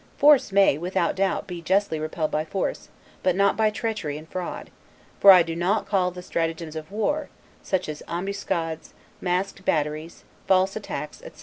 Force may, without doubt, be justly repelled by force, but not by treachery and fraud; for I do not call the stratagems of war, such as ambuscades, masked batteries, false attacks, etc.